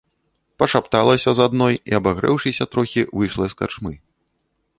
Пашапталася з адной і, абагрэўшыся трохі, выйшла з карчмы.